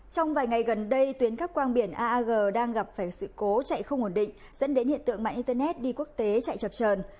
trong vài ngày gần đây tuyến cắp quang biển aag đang gặp phải sự cố chạy không ổn định dẫn đến hiện tượng mạng internet đi quốc tế chạy chập trờn